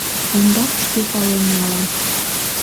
Ондак шке пален налам.